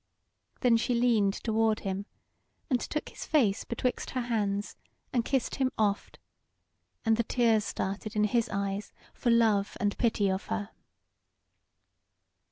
Then she leaned toward him, and took his face betwixt her hands and kissed him oft, and the tears started in his eyes for love and pity of her.